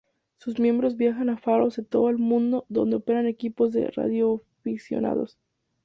Sus miembros viajan a faros de todo el mundo donde operan equipos de radioaficionados.